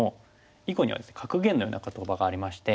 囲碁にはですね格言のような言葉がありまして。